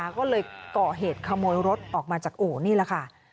แล้วก็เลยเกาะเหตุขโมยรถออกมาจากโอ้นี่แหละค่ะ